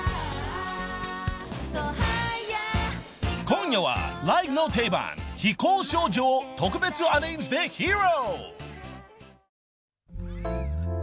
［今夜はライブの定番『飛行少女』を特別アレンジで披露］